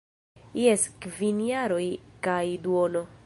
Jes, kvin jaroj kaj duono.